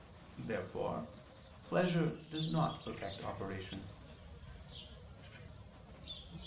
Therefore pleasure does not perfect operation.